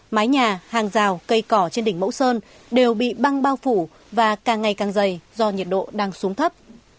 mái nhà hàng rào cây cỏ trên đỉnh mẫu sơn đều bị băng bao phủ và càng ngày càng dày do nhiệt độ đang xuống thấp